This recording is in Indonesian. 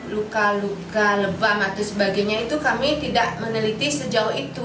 luka luka lebam atau sebagainya itu kami tidak meneliti sejauh itu